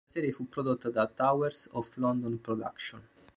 La serie fu prodotta da Towers of London Productions.